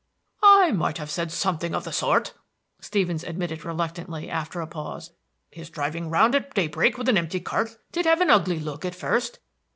"I might have said something of the sort," Stevens admitted reluctantly, after a pause. "His driving round at daybreak with an empty cart did have an ugly look at first."